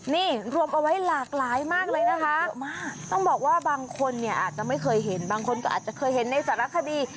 นี่รวมเอาไว้หลากหลายมากเลยนะคะเยอะมากต้องบอกว่าบางคนเนี่ยอาจจะไม่เคยเห็นบางคนก็อาจจะเคยเห็นในสารคดี